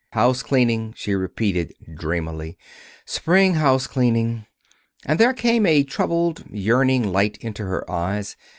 "House cleaning," she repeated dreamily; "spring house cleaning." And there came a troubled, yearning light into her eyes.